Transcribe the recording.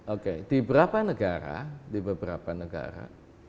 oke di beberapa negara di beberapa negara